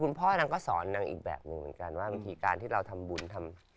พ่อนางก็สอนนางอีกแบบหนึ่งเหมือนกันว่าบางทีการที่เราทำบุญทำ